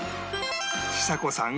ちさ子さん